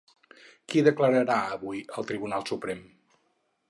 Qui declararà avui al Tribunal Suprem?